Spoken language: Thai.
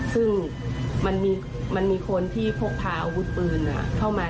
ซึ่งมันมีมันมีคนที่พกพาอาวุธปืนอะ